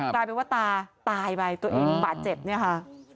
กลายเป็นว่าตาตายไปตัวเองบาดเจ็บเนี่ยค่ะ